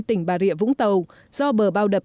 tỉnh bà rịa vũng tàu do bờ bao đập